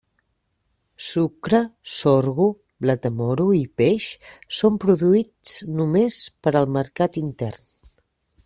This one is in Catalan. Sucre, sorgo, blat de moro i peix són produïts només per al mercat intern.